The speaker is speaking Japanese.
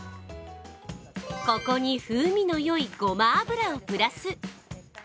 ここに風味のよいごま油をプラス。